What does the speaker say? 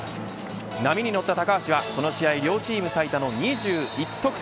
波に乗った高橋はこの試合両チーム最多の２１得点。